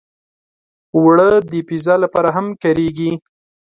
اوړه د پیزا لپاره هم کارېږي